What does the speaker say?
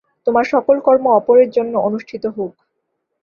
তোমার সকল কর্ম অপরের জন্য অনুষ্ঠিত হউক।